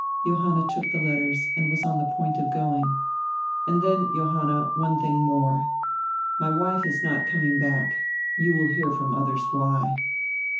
Johanna took die letters and was on die point of going. "And then, Johanna, one diing more. My wife is not coming back. You will hear from others why.